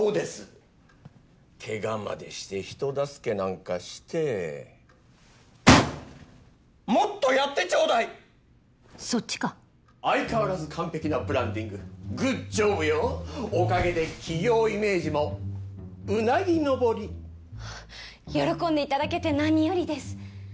ケガまでして人助けなんかしてもっとやってちょうだい！相変わらず完璧なブランディンググッジョブよおかげで企業イメージもうなぎ登り喜んでいただけて何よりです